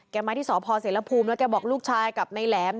แกมาที่สพเสลพูมแล้วแกบอกลูกชายกับในแหลม